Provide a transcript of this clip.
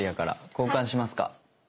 交換しますか？